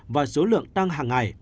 và số lượng tăng hàng ngày